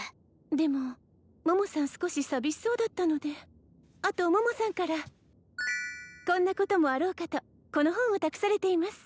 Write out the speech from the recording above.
でも桃さん少し寂しそうだったのであと桃さんからこんなこともあろうかとこの本を託されています